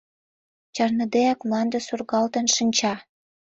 Чарныдеак, мланде сургалтын шинча.